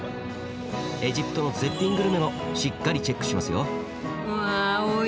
エジプトの絶品グルメもしっかりチェックしますよ。